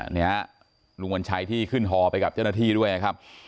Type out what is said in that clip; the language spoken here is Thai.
นี่ฮะลุงวัญชัยที่ขึ้นฮอไปกับเจ้าหน้าที่ด้วยนะครับ